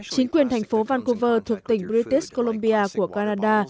chính quyền thành phố vancouver thuộc tỉnh british columbia của canada